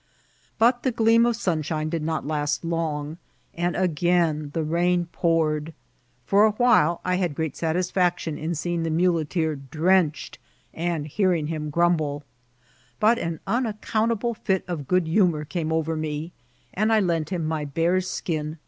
But the gleam of sunshine did not last long, and again the rain pom^ ; for a while I had great satisfaction in seeing the muleteer drenched and hearing him grumble ; but an unaccountable fit ot good humour came over me, and I lent him my bear's skin A ITAK&OW BaOAPB.